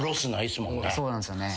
そうなんですよね。